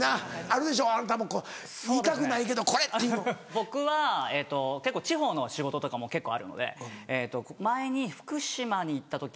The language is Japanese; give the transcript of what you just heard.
僕は結構地方の仕事とかも結構あるので前に福島に行った時に。